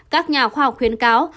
các nhà khoa học khuyến cáo